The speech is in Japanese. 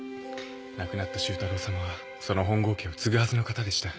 亡くなった周太郎さまはその本郷家を継ぐはずの方でした。